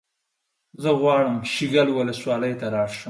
زه غواړم شیګل ولسوالۍ ته لاړ شم